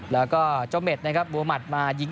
และ้อเจ้าเมชบุวมาตรยิ่ง